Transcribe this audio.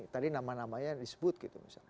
tadi nama namanya disebut gitu misalnya